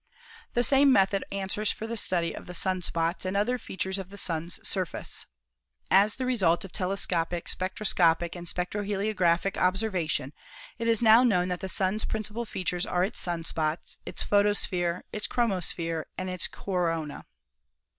The same method answers for the study of the sun spots and other features of the Sun's surface. As the result of telescopic, spectro scopic and spectroheliographic observation it is now known that the Sun's principal features are its sun spots, its pho tosphere, its chromosphere and its corona.